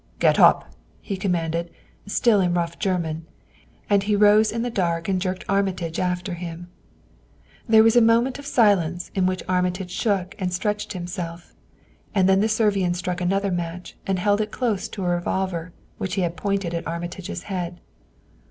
"Get up," he commanded, still in rough German, and he rose in the dark and jerked Armitage after him. There was a moment of silence in which Armitage shook and stretched himself, and then the Servian struck another match and held it close to a revolver which he held pointed at Armitage's head.